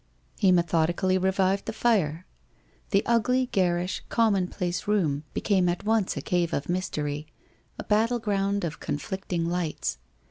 He methodically revived the fire. The ugly, garish, commonplace room became at once a cave of mystery, a battle ground of con flicting lights.